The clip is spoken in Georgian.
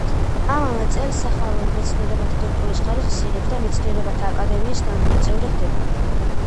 ამავე წელს სახაროვი მეცნიერებათა დოქტორის ხარისხს იღებს და მეცნიერებათა აკადემიის ნამდვილი წევრი ხდება.